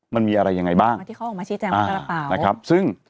มันมีอะไรยังไงบ้างที่เขาออกมาชี้แจงมาสารเปล่านะครับซึ่ง